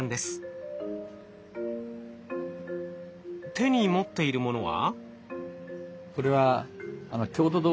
手に持っているものは？